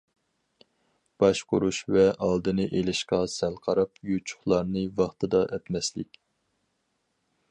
باشقۇرۇش ۋە ئالدىنى ئېلىشقا سەل قاراپ يوچۇقلارنى ۋاقتىدا ئەتمەسلىك.